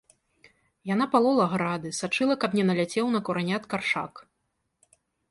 Яна палола грады, сачыла каб не наляцеў на куранят каршак.